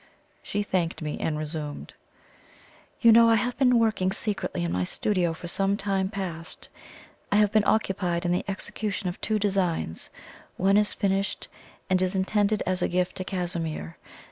She thanked me and resumed: "You know I have been working secretly in my studio for some time past. I have been occupied in the execution of two designs one is finished, and is intended as a gift to Casimir.